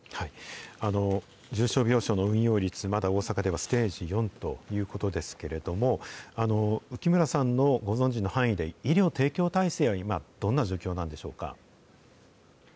重症病床の運用率、まだ大阪ではステージ４ということですけれども、浮村さんのご存じの範囲で、医療提供体制は今どんな状況なんでしょうか。